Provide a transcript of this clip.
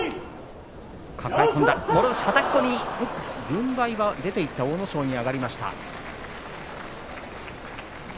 軍配は出ていった阿武咲に上がりました。